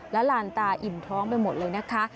และลานตาอิ่มท้องไปหมดเลยนะคะ